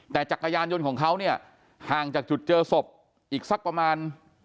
แต่จักรยานยนต์ของเขาเนี่ยห่างจากจุดเจอศพอีกสักประมาณ